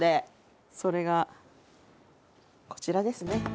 それがこちらですね。